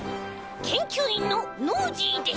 けんきゅういんのノージーです。